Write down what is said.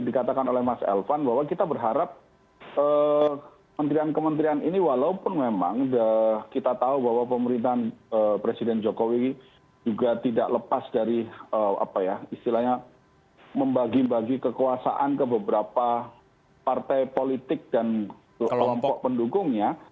dikatakan oleh mas elvan bahwa kita berharap kementerian kementerian ini walaupun memang kita tahu bahwa pemerintahan presiden jokowi juga tidak lepas dari apa ya istilahnya membagi bagi kekuasaan ke beberapa partai politik dan kelompok pendukungnya